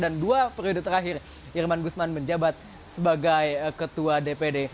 dan dua periode terakhir irman gusman menjabat sebagai ketua dpd